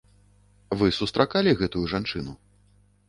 Вы сустракалі гэтую жанчыну?